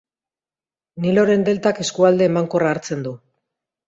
Niloren delta eskualde emankorra hartzen du.